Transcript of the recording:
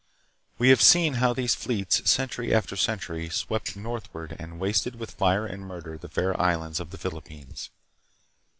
We have seen how these fleets, century after century, swept northward and wasted with fire and murder the fair islands of the Philippines.